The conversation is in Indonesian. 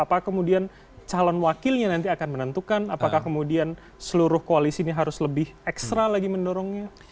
apa kemudian calon wakilnya nanti akan menentukan apakah kemudian seluruh koalisi ini harus lebih ekstra lagi mendorongnya